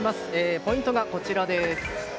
ポイントがこちらです。